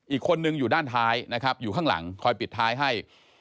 อีกคนนึงอยู่ด้านท้ายนะครับอยู่ข้างหลังคอยปิดท้ายให้